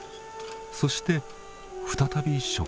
そして再び植林。